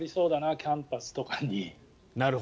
キャンパスとかに。